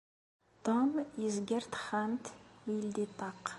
Ṭum yezger taxxamt u yeldi ṭṭaq.